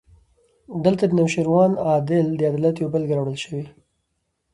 دلته د نوشیروان عادل د عدالت یوه بېلګه راوړل شوې.